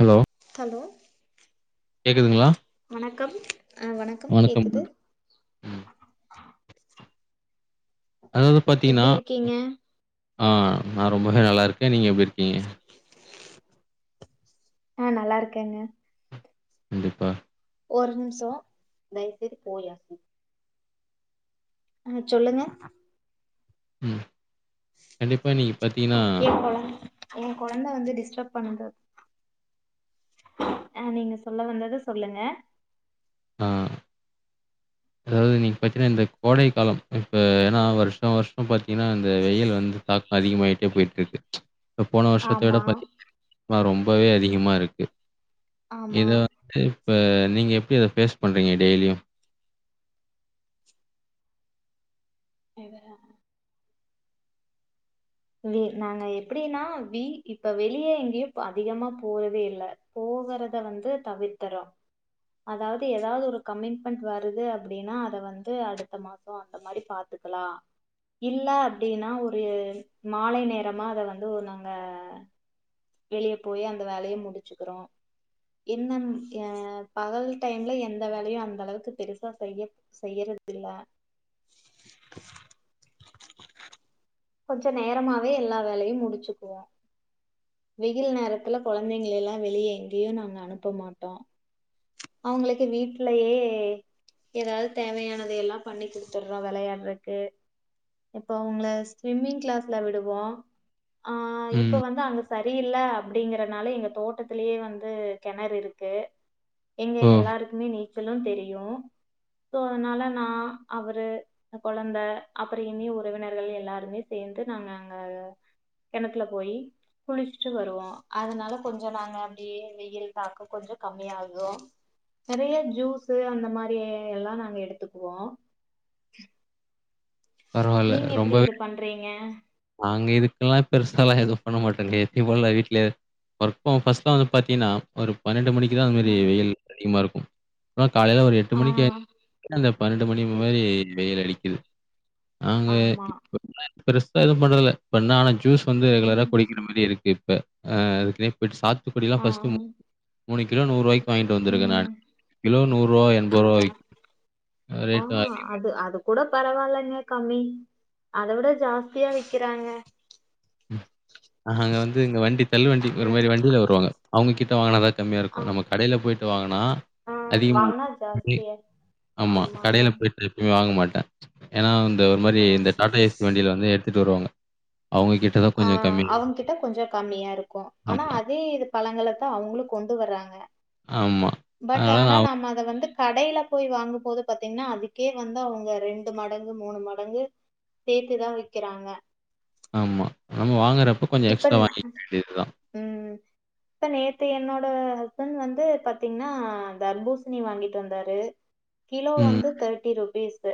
Hello hello கேக்குதுங்களா? வணக்கம் அ வணக்கம் கேக்குது ம். எப்டி இருக்கீங்க அ நா ரொம்பவே நல்லருக்கே நீங்க எப்டிருக் கீங்க அ நல்லா இருக்கேங்க கண்டிப்பா ஒரு நிம்ஷோ தயவு செய்து போயே சும் அ சொல்லுங்க ம் கண்டிப்பா இன்னிக்கி பாத்தீங்ன்னா எ கொழந்த வந்து டிஸ்டப் பண்து அ நீங்க சொல்ல வந்தத சொல்லுங்க அ அதாவது இன்னைக்கு பாத்தீனா இந்த கோடை காலம் இப்ப ஏன்னா வருஷோ வர்ஷோ பாத்தீங்ன்னா இந்த வெயில் வந்து தாக்கோ அதிகமாய்ட்டே போய்ட் இருக்கு ச்ச் இப்ப போன வர்ஷத்த விட ஆமா ப [inaudible] னா ரொம்பவே அதிகமாருக்கு ஆமா எதா வ் இப்ப நீங்க எப்டி அத ஃபேஸ் பண்றீங்க டெய்லியு எவ நாங்க எப்படின்னா வி இப்ப வெளியே எங்கேயு அதிகமா போறதே இல்ல போகறத வந்து தவிர்த்தறோ அதாவது எதாவது ஒரு கமிட்மெண்ட் வருது அப்டின்னா அத வந்து அடுத்த மாச அந்த மாரி பாத்துக்கலா இல்ல அப்டின்னா ஒரு மாலை நேரமா அத வந்து நாங்க வெளிய போயி அந்த வேலைய முடிச்சுக்கிறோ என்ன அ பகல் டைம்ல எந்த வேலையு அந்த அளவுக்கு பெருசா செய்ய செய்யறதுல்ல கொஞ்ச நேரமாவே எல்லா வேலையு முடிச்சுக்குவோ வெயில் நேரத்துல கொழந்தைங்கலெல்லா வெளியே எங்கேயு நாங்க அனுப்ப மாட்டோ அவங்களுக்கு வீடலயே ஏதாவது தேவையானத எல்லா பண்ணி கொடுத்துடுறோ விளையாடுறக்கு இப்ப அவங்க ஸ்விம்மிங் கிளாஸ்ல விடுவோ ஆ இப்ப ம். வந்து அங்க சரியில்ல அப்டிங்கறனால எங்க தோட்டத்திலயே வந்து கெணறு இருக்கு எங்க ஓ! எல்லாருக்குமே நீச்சலு தெரியு சோ அதனால நா அவரு கொழந்த அப்புற இனி உறவினர்கள் எல்லாருமே சேந்து நாங்க அங்க கெணத்துல போய் குளிச்சுட்டு வருவோ அதனால கொஞ்ச நாங்க அப்டியே வெயில் தாக்க கொஞ்ச கம்மியாகு நெறைய ஜூஸ்ஷு அந்த மாரி எல்லா நாங்க எடுத்துக்குவோ பரவால்ல. நீங்க எப்டி ரொம்பவே இத பண்றீங்க நாங்க இதுக்கெல்லா பெருசாலா எதுவு பண்ண மாட்டேங்க எத்த போல வீட்டுல ஒர்கர்ஸ் வந்து பாத்தீங்கன்னா ஒரு பன்னெண்டு மணிக் இதா மாரி வெயில் அதிகமா இருக்கு காலையில ஒரு எட்டு ஆ மணிக்கு அந்த பன்னெண்டு மணி எப் மாரி வெயிலடிக்குது அங்க ஆமா [unintelligible] ப்ரஷ் எது பண்றல இப்பண்ணான ஜூஸ் வந்து ரெகுலராக குடிக்கிற மாரி இருக்கு ப்ப அ அதுலயே போய்ட்டு சாத் இப்டிலா பஸ்ட்டு மு மூணு கிலோ நூறுவாய்க் உம் அத விக்கும். ரேட் அதிகம். ஆஹ் அது அது கூட பரவாயில்லங்க கம்மி அத விட ஜாஸ்தியா விக்கிறாங்க அஹா அங்க வந்து இங்க வண்டி தள்ளு வண்டி ஒரு மாரி வண்டியில வருவாங்க அவங்க கிட் வாங்குனதா கம்மியா ஆ இருக்கு நம்ம கடையில் போயிட்டு வாங்க ஆ அதிகமா வாங்குனா ஜாஸ்தியா [inaudible] ஆமா ஆமாங்க கடையில் போயிட்டு எப்பமே வாங்க மாட் த ஏன்னா ஒரு மாதிர ஆ இந்த டாட்டா எஸி வண்டியில் வந்து எடுத்து வித்துட்டு வருவாங்க அவங்க கே ஆ அவங்க கிட்ட கொஞ்ச கம்மியா இருக்கு ஆனா ஆமா, அதே இது பழங்களை தா அவங்களு கொண்டு வராங்க ஆமா. பட் அதனால ஆனா நான் நாம அத வந்து கடையில போய் வாங்கும்போது பாத்தீங்கன்னா அதுக்கே வந்து அவங்க ரெண்டு மடங்கு மூணு மடங்கு சேத்துதா விக்கிறாங்க ஆமா நம்ம வாங்குற இப்ப ம் ம் இப்ப நேத்து என்னோ என்னோட ஹஸ்பண்ட் வந்து பாத்தீங்கன்னா தர்பூசணி வாங்கிட்டு வந்தாரு கிலோ ம். வந்து தேர்ட்டி ரூபீஸ்சு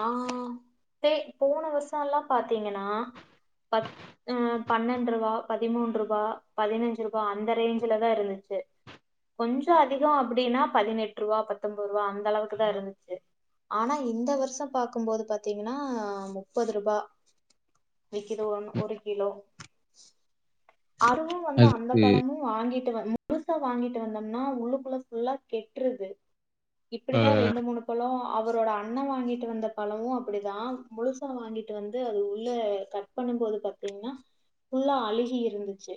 ஆ டோய் போன வருஷ எல்லா பாத்தீங்கனா பத் ம் பன்னெண்டு ரூபா பதிமூண்ட்ரூபா பதினஞ்சு ரூபா அந்த ரேஞ்ச்ல தா இருந்துச்சு கொஞ்சம் அதிகம் அப்டின்னா பதினெட்டு ரூபா பத்தோம்பதுரூபா அந்த அளவுக்கு தா இருந்துச்சி ஆனா இந்த வருஷம் பாக்கும்போது பாத்தீங்கன்னா முப்பது ரூபா விக்குது ஒன்னு ஒரு கிலோ [inaudible] அதுவு வந்து அந்த அதுக்கு பழமு வாங்கி ட்டு வந்து முழுசா வாங்கிட்டு வந்தோம்னா உள்ளுக்குள்ள ஃபுல்லா கெட்டுருது அ இப்டிதா ரெண்டு மூணு பழோ அவரோட அண்ணன் வாங்கிட்டு வந்த பழமு அப்டிதா முழுசா வாங்கிட்டு வந்து அது உள்ள கட் பண்ணும்போது பாத்தீங்கன்னா ஃபுல்லா அழுகி இருந்துச்சி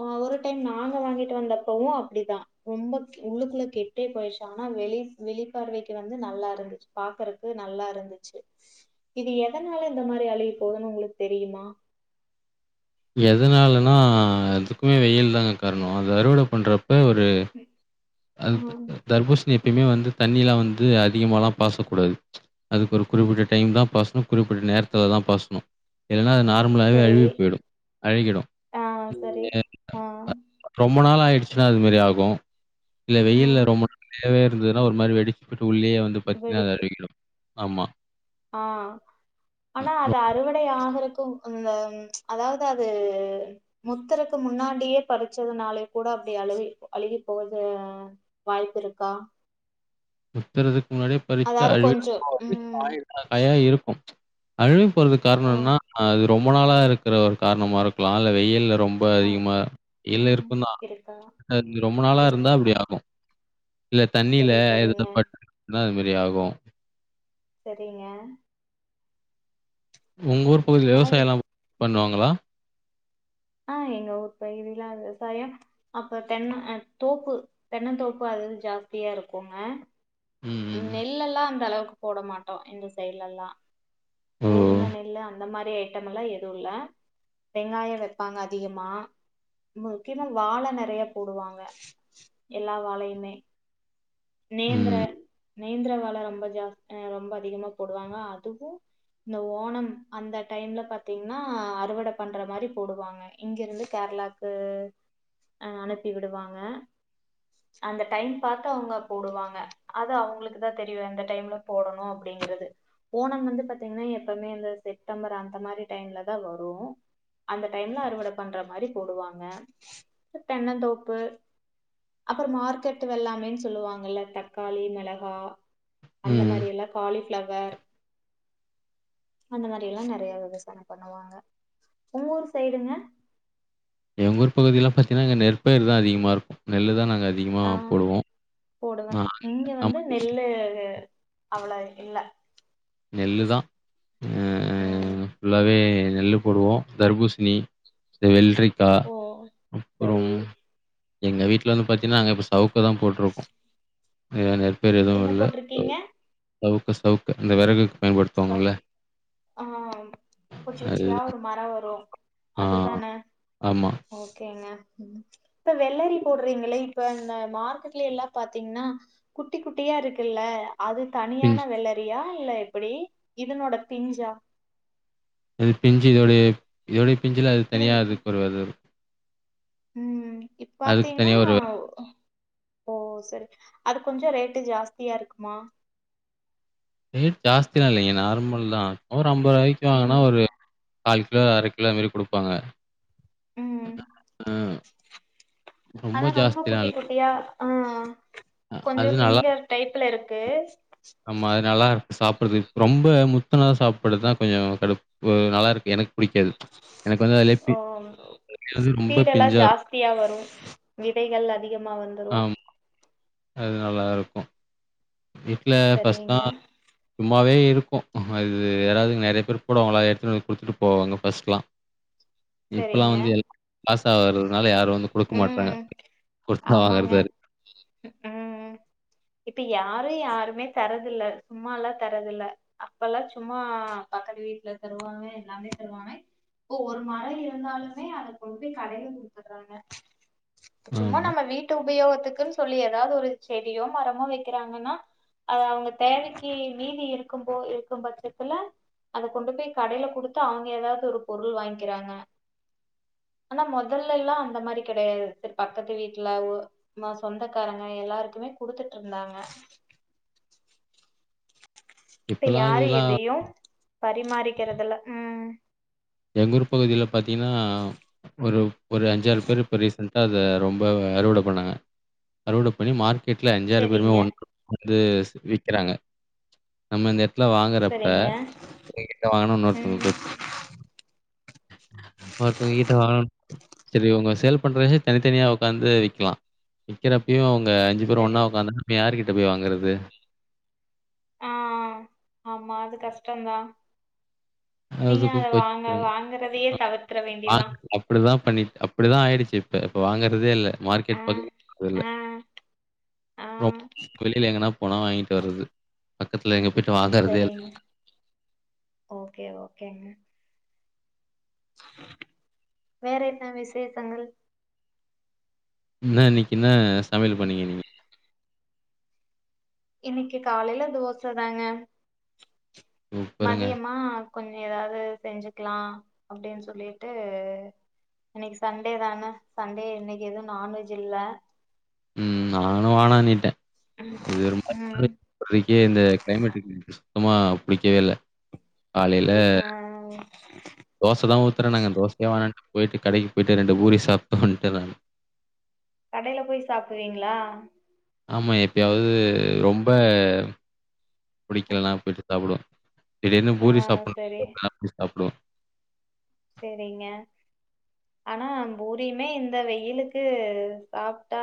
ஆ ஒரு டைம் நாங்க வாங்கிட்டு வந்தப்பவு அப்டிதா ரொம்ப கெ உள்ளுக்குள்ள கெட்டே போயிடுச்சி ஆனா வெளி வெளி பார்வைக்கு வந்து நல்லா இருந்துச்சு பாக்குறக்கு நல்லா இருந்துச்சு இது எதனால இந்த மாரி அழிகி போகுதுன்னு உங்களுக்கு தெரியுமா எது எதனாலன்னா அதுக்குமே வெயில் அதாங்க காரணம் அது அறுவட பண்ற இப்ப ஒரு அது ஆ தர்பூச ணி எப்பயுமே வந்து தண்ணிலா வந்து அதிகமால பாசக்கூடாது அது ஒரு குறிப்பிட்ட டைம் தா பாசனு குறிப்பிட்ட நேரத்துல தா பாசனு இல்லன்னா நார்மலாகவே சரி அழுவி போயிடு அழகிடு [inaudible] ஆ சரி ஆ ரொம்ப ரொம்ப நாள் ஆயிடுச்சுன்னா அது மேரி ஆகும் இல்ல வெயில் ம் ரொம்ப நறையாவே இருந்துதுனா ஒரு மாரி வெடிச்சி போயிடு சூடுலேயே வந்து பாத்தீனா அது வெடிச்சு அழிகிடு ஆமா ஆ ஆனா அது அறுவடை ஆகறக் கும் அந்த அதாவது அது முத்தருக்கு முன்னாடியே பறிச்சதுனாலே கூட அப்டி அழுக அழுகி போகுது வாய்ப்பு இருக்கா முத்தறதுக்கு முன்னாடியே பறிச்ட்டா அதாவது அதுவே கொஞ்சோ ம் [unintelligible] இருக்கும் அழு கி போறதுக் காரண ஓ என்னனா அது ரொம்ப நாளா இருக்கிற ஒரு காரணமா இருக்கலா இல்ல வெய்யில்ல ரொம்ப ஆ அதிகமா வெயில் ம் இருக்கு தா இருக்கா அது ரொம்ப நாளா இருக் இருந்தா ஆ அப்டி ஆகு இல்ல தண்ணில சரி எதாவது சரிங்க பட்டுருந்திச்சினா அது மேரி ரியாகும் செரிங்க ஒங்கூர் பகுதில அதா விவசாய இப் எல்லா பண்ணுவாங்களா ஆ எங்க ஊர் பகுதியிலா விவசாயம் அப்ப தென்னந் அ தோப்பு தென்னந் தோப்பு அது வந்து ஜாஸ்தியா இருக்குங்க ம், ம். நெல்லெல்லா அந்தளவுக் போட மாட்டோ இந்த சைய்ட்லெல்லா ஓ! கோதும நெல்லு அந்த மாரி ஐட்டமெல்லா எதும் இல்ல வெங்காயம் வெப்பாங்க அதிகமா முக்கியமா வாழ நெறையா போடுவாங்க எல்லா வாழயுமே நேந்த்ர ம், நேந்த்ர வாழ ரொம்ப ஜாஸ் ஆ ரொம்ப அதிகமா போடுவாங்க அதுவும் இந்த ஓணம் அந்த டைம்ல பாத்தீங்ன்னா அறுவட பண்ற மாரி போடுவாங்க இங்கிருந்து கேரளாக்கு ஆ அனுப்பி விடுவாங்க அந்த டைம் பாத்து அவுங்க போடுவாங்க அது அவ்ங் ளுக்குதா தெரியு எந்த டைம்ல போடணு அப்டிங்கிறது ஓணம் வந்து பாத்தீங்னா எப்பமே இந்த செட்டம்பர் அந்த மாரி டைம்லதா வரும் அந்த டைம்ல அறுவட பண்ற மாரி போடுவாங்க தென்னந்தோப்பு அப்பற மார்க்கெட்டு வெள்ளாமென்னு சொல்லுவாங்கள தக்காளி மெள கா அந்த ம். மாரி எல்லா காலிஃ பிளவர் அந்த மாரியெல்லா நெறையா விவசாயம் பண்ணுவாங்க ஒங்கூரு சைடுங்க எங்கூர் பகுதிலா பாத்தீன்னா அங்க நெற்பயிர் தா அதிகமா இருக்கு நெல்லுதா நாங் ஆ போடுவே ஆ. இங்க ஆமா. வந்து நெல்லு அவளோ இல்ல நெல்லுதா ஆ நெல்லு போடுவோ தர்பூஸ்ணி இந்த வெள்ரிக் கா ஓ சரி அப்புறம் எங்க வீட்ல வந்து பாத்தீன்னா நாங்க இப்ப சவ்க் இப்போ தா போட்ருக்கோ இங்க அந்த என்ன போட்ருக்கீங்க சவுக்கு சவுக்கு இந்த வெரகுக் ப ஆ குச்சி குச்சியா அதுதான். ஒரு மர வரு ஆ அதுதானே ஆமா. ஓகேங்க ம் இப்ப வெள்ளரி போடுறீங்களே இப்ப இந்த மார்க்கெட்லயே எல்லா பாத்தீங்கன்னா குட்டி குட்டியா இருக்குல்ல அது தனியான பிஞ்சு வெள்ளரியா இல்ல எப்டி இதனோட பிஞ்சா இது பிஞ்சு இதோடய இதோட பிஞ்சில அது இது தனியா அதுக்கொரு வெத இருக்கு ம் இப் பாத்தீங்கன்னா தனியா ஒரு ஓ சரி அது கொஞ்சோ ரேட்டு ஜாஸ்தியா இருக்குமா ரேட் ஜாஸ்தில்லா இல்லைங்க நார்மல் தா அம்பது ரூவாயிக்கு வாங்கனா ம் ஒரு கால் கிலோ அர கிலோ அந் மாரி குடுப்பாங்க ம் அ அதா ரொம்ப ஜாஸ்திலாம் இல்ல. குட்டிக் குட்டியா ஆ அ கொஞ்சொ அது நல்லா ஃபிங்கர் டைப்ல இருக் கேஸ் ஆமா அது நல்லா சாப்புர்றதுக் ரொம்ப முத்துனத சாப்புர்றதா கொஞ்சொ கடுப்பு நல்லா இருக்கு எனக் ஓ வந்து ரொம்ப சீடெல்லா பிஞ்சா இருக்கும். ஜாஸ்தியா வரு விதைகள் அதிக மா வந்துரு ஆமா. அது நல்லா இருக்கு வீட்ல ஃப்ர்ஸ்ட் தா சரிங்க சும்மாவே இருக்கு நம்ம அது ஏதாவ்து நெறைய பேர் போடுவாங்கள அத எடுத்துன்து குடுத்துட்டு போவாங்க ஃபர்ஸ்ட்லா இப்பல்லா சரிங்க வந்து எல் காசா வர்றதுனால யாரு வந்து குடுக்க மாட்றாங்க ம் குடுத் ஆமாங்க வாங்குறதாரு ப யாரு யாருமே தரதில்ல சும்மால்லா தரதில்ல அப்பல்லா சும்மா பக்கத்து வீட்ல தருவாங்க எல்லாமே தருவாங்க இப்பொ ஒரு ம ழை இருந்தாலுமே அதக் கொண்ட் போய் கடையில குடுத்துர்றாங்க சும்மா ஆமா. நம்ம வீட்டு உபயோகத் துக்குன் சொல்லி ஏதாவ்து ஒரு செடியோ மரமோ வெக்கிறாங்கன்னா அது அவுங்க தேவக்கி மீதி இருக்கும்போ இருக்கும் பட்சத்துல அத கொண்டு போய் கடையில குடுத்து அவங்க ஏதாவ்து ஒரு பொருள் வாய்ங் க்கிறாங்க ஆனா மொதல்லேல்லா அந்த மாரி கெடையாது பக்கத்து வீட்லவு மொ சொந்தக்காரங்க எல்லாருக்குமே குடுத்துட்ருந்தாங்க இப்ப இப்பலாம் யாரு அதெல்லாம் எதையு பரிமாறிக்கெறதில்ல ம் எங்கூரு பகுதில பாத்தீங்னா ஒரு ஒரு அஞ்சாறு பேரு இப்ப ரீசென்டா அத ரொம்ப அறுவட பண்ணாங்க அறுவட பண்ணி மார்க் கெட்ல அஞ்சாறு பேருமே சரிங்க ஒண் [inaudible] ந்து ஸ் விக்கிறாங்க நம்ம இந்த எட் த்ல வாங்கறப்ப சரிங்க [inaudible] வாங்கணுன் ம் ஒருத்தங்க [unintelligible] ஒருத்தவ்ங்கிட்ட வாங் செரி உங்க சேல் பண்றவிங்க தனித்தனியா உக்காந்து விக்லா விக்கிறப்பயு அவு ங்க அஞ்சு பேரு சரி ஒன்னா ஒக்காந்தா நம்ம யாருக்கிட்ட போய் வாங்கறது ஆ ஆ ஆமா அது கஸ்டந்தா அதுக்கு [inaudible] வாங்கறதையே தவிர்த்திர வேண்டியதா நாங்க அப்பிடிதா பண்ணிட் அப்பிடிதா ஆயிடிச் சி இப்ப இப்ப வாங்கறதே இல்ல ஆ மார்க்கெட் பக்கமே ஆ ஆ [inaudible] வெளில எங்கனா போனா வாங்கிட்டு வர்றது பக்கத்ல எங்க போயிட்டு வாங்கறதே [inaudible] சரிங்க கேங்க வேறன்ன விஷேசங்கள் னா நீ என்ன சமையல் ம் பண்ணீங்க நீங்க இன்னிக்கு காலைல தோச தாங்க சூப்பருங்க. மதியமா கொஞ்சம் ஏதாவது செஞ்சுக்கலா அப்டின் சொல்லிட்டு இன்னிக்கு சண்டே தானே சண்டே இன்னிக்கு எதும் நான்வெஜ் இல்ல உம் நானு வானான்னுட்டன் ம் [unintelligible] இந்த கிளைமேட்டுக் சுமா புடிக்கவே இல்லே புரிஹ தோச தா ஊத்துறேனுங்க தோசக்கே வேணான்ட் போயிட் கடைக்கு போய்ட்டு ரெண்டு பூரி சாப்ட் வந்துட்ட நானு கடைல போய் சாப்புடுவீங்களா ஆமா எப்பயாவது ரொம்ப புடிக்கலன போயிட் சாப்பிடுவ சரி என்ன ஆ பூரி சாப்புன்னு சரி இந்த நேரத்து சாப்புடுவ சேரிங்க ஆனா பூரியுமே இந்த வெயிலுக்கு சாப்டா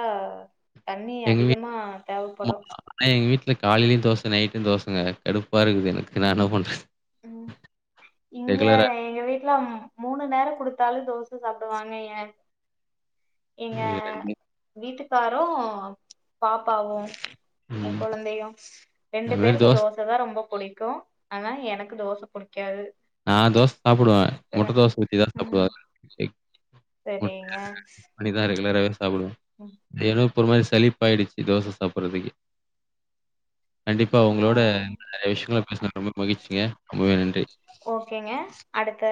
தண்ணி எங்க அதிகமா தேவைப்படும் இல காலயிலும் தோசை நைட்டும் தோசைங்க கடுப்பாருக்குது எனக்கு நாஎன்ன பண்ற உம் இங்க எங்க வீட்ல மூணு நேரோ குடுத் தாலும் தோச சாப்டுவாங்க ஏ எங்க இது வீட்டுக் வீட்டுக்காரூ பாப்பாவும் ம். எங்கொழந்தையும் ரெண்டு அதுமாரி பேருக்கு தோசை தோசதா ரொம்ப புளிக்கும் ஆனா எனக் தோச புடிக்காது நா தோச சாப்டுவே வேற முட்ட தோச ஊத்திதா சாப்டுவ இக் செரிங்க ரெகுலராவே சாப்டுவ [unintelligible] ஒரு மாரி சலிப்பாய்டுச்சு தோச சாப்றதுக் கண்டிப்பா ஆ உங்களோட நெறய விஷயங்கள பேசினதுக்கு ரொம்ப மகிழ்ச்சிங்க ரொம்பவே நன்றி ஓகேங்க அடுத்த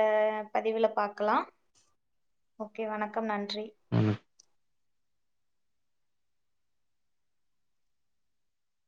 பதிவுல பாக்கலா ஓகே வணக்கம் நன் றி ம்.